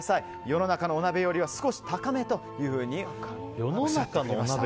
世の中のお鍋よりは少し高めとおっしゃっていました。